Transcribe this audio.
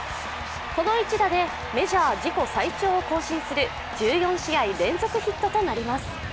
この一打でメジャー自己最長を更新する１４試合連続ヒットとなります。